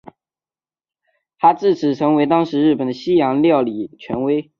他自此成为当时日本的西洋料理权威。